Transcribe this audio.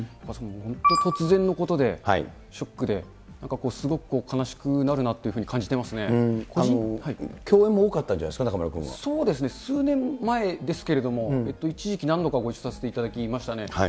本当、突然のことで、ショックで、なんかこう、すごく悲しくなるな共演も多かったんじゃないでそうですね、数年前ですけれども、一時期、何度かご一緒させていただきましたね。